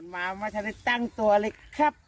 มาไม่ทันได้ตั้งตัวเลยครับ